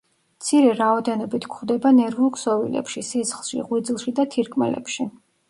მცირე რაოდენობით გვხვდება ნერვულ ქსოვილებში, სისხლში, ღვიძლში და თირკმელებში.